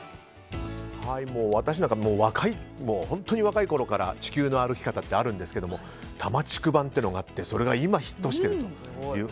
私なんかの本当に若いころから「地球の歩き方」ってあるんですけども多摩地区版っていうのがあってそれがいまヒットしてるという。